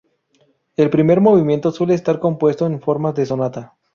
El primer movimiento suele estar compuesto en forma de sonata.